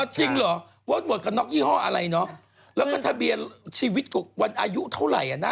จริงเหรอว่าหมวกกันน็อกยี่ห้ออะไรเนอะแล้วก็ทะเบียนชีวิตถูกวันอายุเท่าไหร่อ่ะนะ